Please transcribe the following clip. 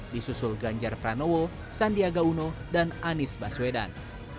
disusul ganjar pranowo sandiaga uno dan anies baswedan